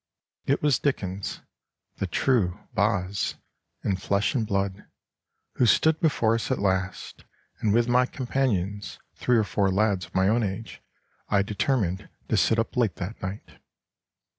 It was Dickens, the true 'Boz,' in flesh and blood, who stood before us at last, and with my companions, three or four lads of my own age, I determined to sit up late that night."